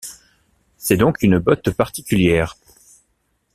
C'est donc une botte particulière.